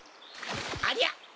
ありゃ！